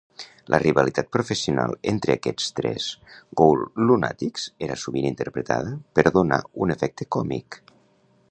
La rivalitat professional entre aquests tres GhoulLunatics era sovint interpretada per donar un efecte còmic.